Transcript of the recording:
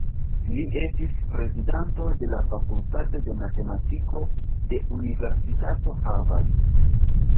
Li estis prezidanto de la fakultato de matematiko de Universitato Harvard.